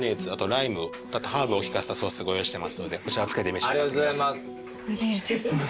ライムハーブを利かせたソースご用意してますのでこちらつけて召し上がってください。